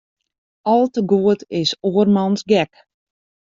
Al te goed is oarmans gek.